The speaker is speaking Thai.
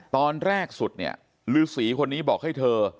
ตอนแรกสุดเนี่ยฤษีคนนี้บอกให้เธอ